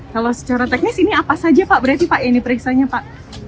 kalau secara teknis ini apa saja pak berarti ini periksanya pak